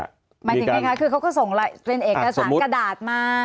หมายถึงไงคะคือเขาก็ส่งเป็นเอกสารกระดาษมา